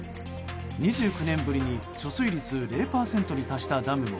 ２９年ぶりに貯水率０％に達したダムも。